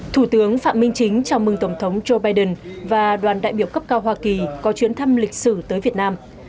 thủ tướng phạm minh chính chào mừng tổng thống joe biden và đoàn đại biểu cấp cao hoa kỳ có chuyến thăm lịch sử tới việt nam